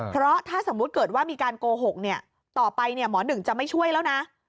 เพราะถ้าสมมุติเกิดว่ามีการโกหกต่อไปหมอหนึ่งจะไม่ช่วยแล้วนะ